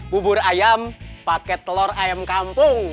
bubur ayam paket telur ayam kampung